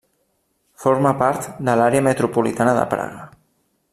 Forma part de l'àrea metropolitana de Praga.